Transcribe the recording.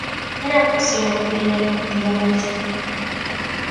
Argentina posee una pequeña comunidad palestina.